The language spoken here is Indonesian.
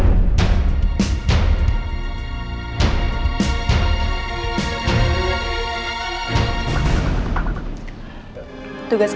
tukarin pintunya aku mohon